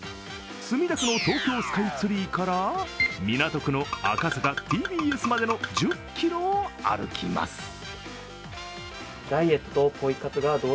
墨田区の東京スカイツリーから港区の赤坂、ＴＢＳまでの１０ｋｍを歩きます。